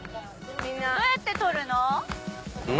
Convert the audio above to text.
どうやって取るの？